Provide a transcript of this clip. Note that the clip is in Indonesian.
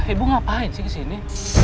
ibu ngapain sih kesini